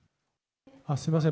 すみません。